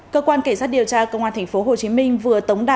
cơ quan cảnh sát điều tra công an thành phố hồ chí minh vừa tống đáy